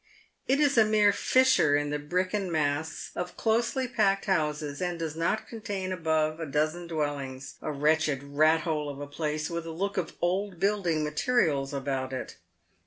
It is a mere fissure in the bricken mass of closely packed houses, and does not contain above a dozen dwellings — a wretched rat hole of a place, with a look of old building materials about it.